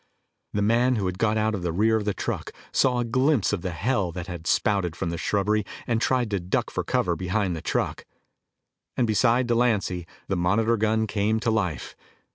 The man who had got out of the rear of the truck saw a glimpse of the hell that had spouted from the shrubbery and tried to duck for cover behind the truck. And beside Delancy, the Monitor gun came to life.